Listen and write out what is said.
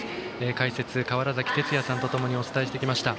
解説、川原崎哲也さんとともにお伝えしました。